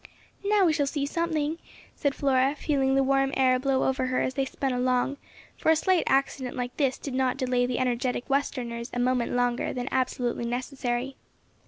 "Now we shall see something," said Flora, feeling the warm air blow over her as they spun along, for a slight accident like this did not delay the energetic Westerners a moment longer than absolutely necessary.